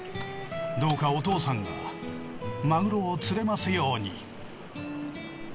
どうかお父さんがマグロを釣れますように。